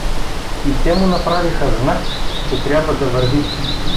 — И те му направиха знак, че тряба да върви.